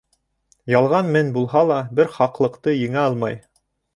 Ялған мен булһа ла, бер хаҡлыҡты еңә алмай.